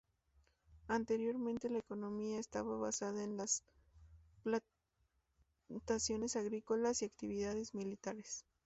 Anteriormente la economía estaba basada en las plantaciones agrícolas y las actividades militares.